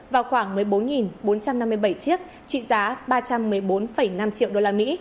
và khoảng một mươi bốn bốn trăm năm mươi bảy chiếc trị giá ba trăm một mươi bốn năm triệu đô la mỹ